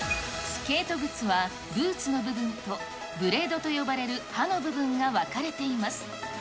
スケート靴は、ブーツの部分とブレードと呼ばれる刃の部分が分かれています。